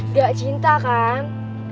nggak cinta kan